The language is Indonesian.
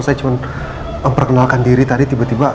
saya cuma memperkenalkan diri tadi tiba tiba